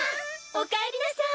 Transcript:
おかえりなさい。